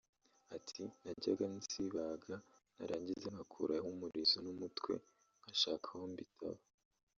Ati “Najyaga nzibaga narangiza nkakuraho umurizo n’umutwe nkashaka aho mbitaba